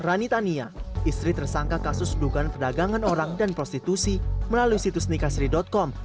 rani tania istri tersangka kasus dugaan perdagangan orang dan prostitusi melalui situs nikahsiri com